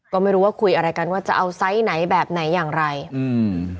ก็ไม่รู้ว่าคุยอะไรกันว่าจะเอาไซส์ไหนแบบไหนอย่างไรอืม